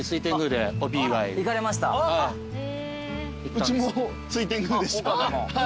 うちも水天宮でした。